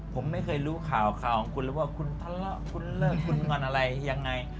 ผมไม่เคยรู้ข่าวข่าวของคุณเลยว่าคุณทะเลาะคุณเลิกคุณงอนอะไรยังไง